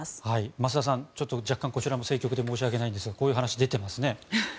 増田さん、ちょっと若干こちらも政局で申し訳ないんですがこういう話が出ていますね。